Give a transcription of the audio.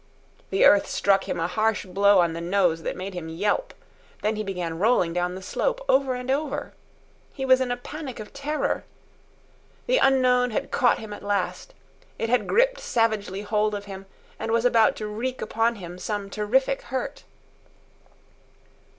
The earth struck him a harsh blow on the nose that made him yelp. Then he began rolling down the slope, over and over. He was in a panic of terror. The unknown had caught him at last. It had gripped savagely hold of him and was about to wreak upon him some terrific hurt.